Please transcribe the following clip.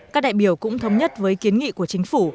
các đại biểu cũng thống nhất với kiến nghị của chính phủ